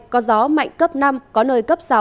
có gió mạnh cấp năm có nơi cấp sáu